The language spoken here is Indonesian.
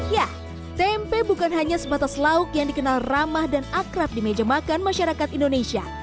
ya tempe bukan hanya sebatas lauk yang dikenal ramah dan akrab di meja makan masyarakat indonesia